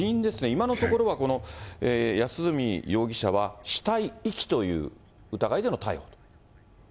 今のところは、この安栖容疑者は、死体遺棄という疑いでの逮捕。